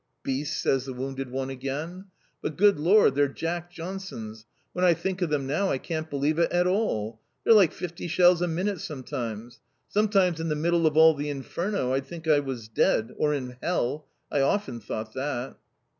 "Beasts!" says the wounded one again. "But good lor, their Jack Johnsons! When I think of them now I can't believe it at all. They're like fifty shells a minute sometimes. Sometimes in the middle of all the inferno I'd think I was dead; or in hell. I often thought that."